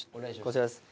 こちらです。